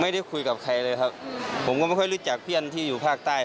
ไม่ได้คุยกับใครเลยครับผมก็ไม่ค่อยรู้จักเพื่อนที่อยู่ภาคใต้